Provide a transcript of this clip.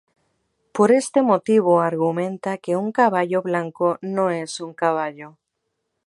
Por este motivo argumenta que un caballo blanco no es un caballo.